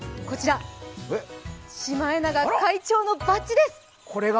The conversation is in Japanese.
こちら、シマエナガ会長のバッジです。